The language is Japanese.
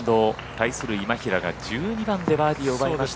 対する今平が１２番でバーディーを奪いました。